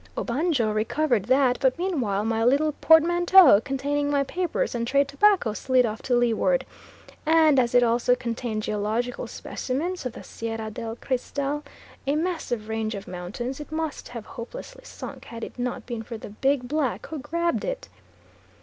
Obanjo recovered that, but meanwhile my little portmanteau containing my papers and trade tobacco slid off to leeward; and as it also contained geological specimens of the Sierra del Cristal, a massive range of mountains, it must have hopelessly sunk had it not been for the big black, who grabbed it.